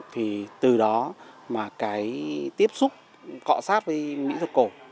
thì từ đó mà cái tiếp xúc cọ sát với mỹ thuật cổ